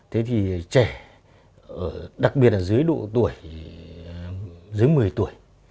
thế thì trẻ đặc biệt là dưới độ tuổi dưới một mươi tuổi